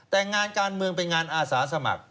แต่งานการเมืองเป็นงานอาสาสมัคร